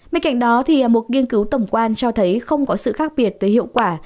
bên cạnh đó một nghiên cứu tổng quan cho thấy không có sự khác biệt về hiệu quả